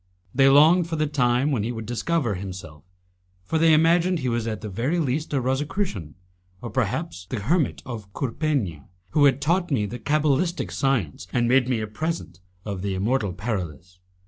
They longed for the time when he would discover himself, for they imagined he was at the very least a Rosicrucian, or perhaps the hermit of Courpegna, who had taught me the cabalistic science and made me a present of the immortal Paralis.